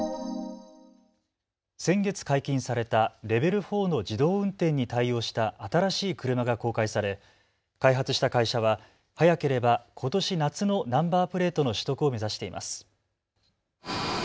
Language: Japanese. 先月、解禁されたレベル４の自動運転に対応した新しい車が公開され開発した会社は早ければことし夏のナンバープレートの取得を目指しています。